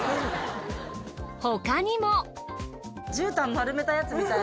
他にも。